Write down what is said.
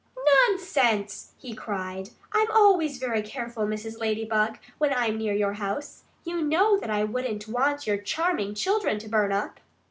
"Nonsense!" he cried. "I'm always very careful, Mrs. Ladybug, when I'm near your house. You know that I wouldn't want your charming children to burn up."